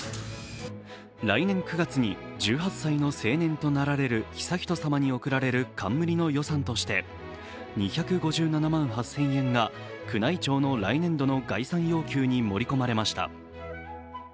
来年９月に１８歳の成年となられる悠仁さまに贈られる冠の予算として２５７万８０００円が宮内庁の来年度の概算要求に盛り込まれました